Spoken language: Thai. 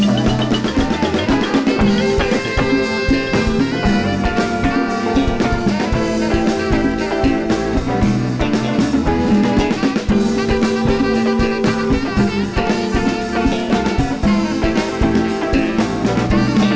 สุโขไทยสุโขไทย